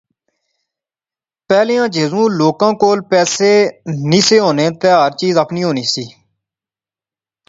پہلیاں جذوں لوکاں کول پیسے نی سی ہونے تے ہر چیز آپنی ہونی سی